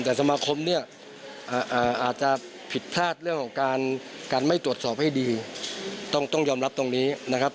แต่สมาคมเนี่ยอาจจะผิดพลาดเรื่องของการไม่ตรวจสอบให้ดีต้องยอมรับตรงนี้นะครับ